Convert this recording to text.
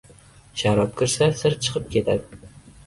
• Sharob kirsa ― sir chiqib ketadi.